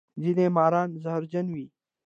ځینې ماران زهرجن وي